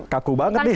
kaku banget nih